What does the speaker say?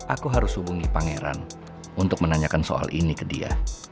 aku harus hubungi pangeran untuk menanyakan soal ini ke dia